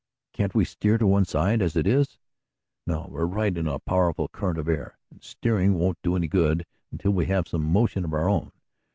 "Can't we steer to one side, as it is?" "No. We're right in a powerful current of air, and steering won't do any good, until we have some motion of our own.